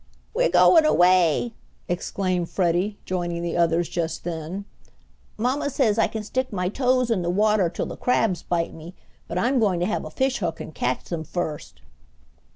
"We're going away!" exclaimed Freddie, joining the others just then. "Mamma says I can stick my toes in the water till the crabs bite me, but I'm going to have a fishhook and catch them first."